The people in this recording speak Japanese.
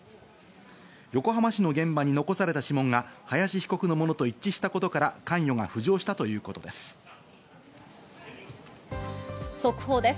横浜市の現場に残された指紋が林被告のものと一致したことから関与が浮上したということです。